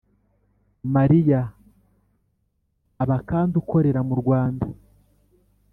Mariya aba kandi ukorera mu Rwanda